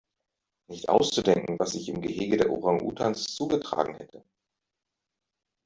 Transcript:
Nicht auszudenken, was sich im Gehege der Orang-Utans zugetragen hätte!